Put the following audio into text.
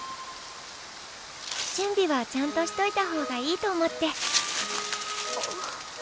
準備はちゃんとしといた方がいいと思って。